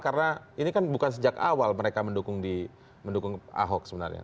karena ini kan bukan sejak awal mereka mendukung di ahok sebenarnya